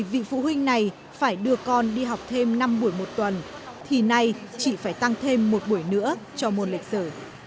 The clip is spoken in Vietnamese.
thầy phải đưa con đi học thêm năm buổi một tuần thì nay chỉ phải tăng thêm một buổi nữa cho môn lịch sử